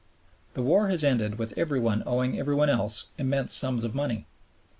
The war has ended with every one owing every one else immense sums of money.